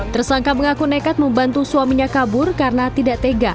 tersangka mengaku nekat membantu suaminya kabur karena tidak tega